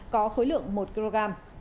có khối lượng một kg